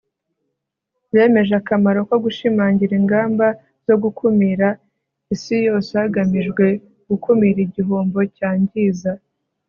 Bemeje akamaro ko gushimangira ingamba zo gukumira isi yose hagamijwe gukumira igihombo cyangiza